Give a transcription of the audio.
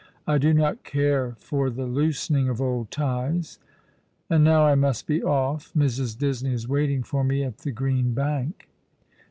" I do not care for the loosening of old ties. And now I must be off. Mrs. Disney is waiting for me at the Green Bank."